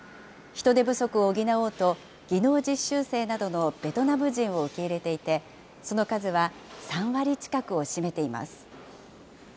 人手不足を補おうと、技能実習生などのベトナム人を受け入れていて、その数は３割近くを占めています。